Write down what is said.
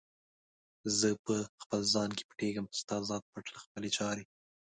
زه په خپل ځان کې پټیږم، ستا ذات پټ له خپلي چارې